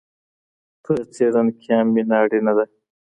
په څېړنه کي هم مینه اړینه ده.